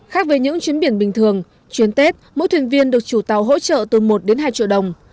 khác với những chuyến biển bình thường chuyến tết mỗi thuyền viên được chủ tàu hỗ trợ từ một đến hai triệu đồng